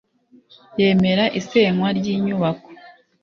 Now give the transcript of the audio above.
yemera isenywa ry inyubako